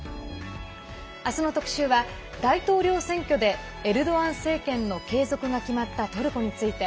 明日の特集は、大統領選挙でエルドアン政権の継続が決まったトルコについて。